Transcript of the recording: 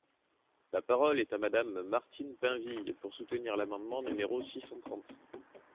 La parole est à Madame Martine Pinville, pour soutenir l’amendement numéro six cent trente.